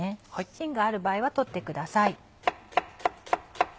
しんがある場合は取ってください。